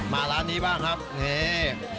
ร้านนี้บ้างครับนี่